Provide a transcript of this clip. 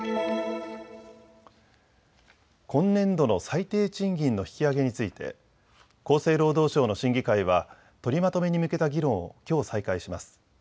今年度の最低賃金の引き上げについて厚生労働省の審議会は取りまとめに向けた議論をきょう、再開します。